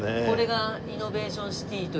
これがイノベーションシティ。